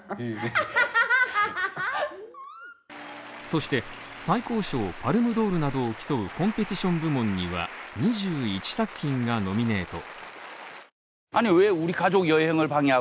そして、最高賞パルムドールなどを競うコンペティション部門には２１作品がノミネート。